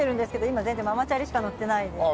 今全然ママチャリしか乗ってないですけど。